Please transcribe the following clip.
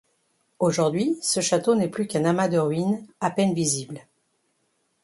Aujourd'hui, ce château n'est plus qu'un amas de ruines à peine visible.